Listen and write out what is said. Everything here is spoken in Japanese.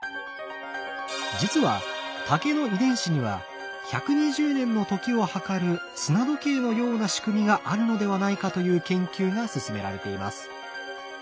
実は竹の遺伝子には１２０年の時を計る砂時計のような仕組みがあるのではないかという研究が進められています。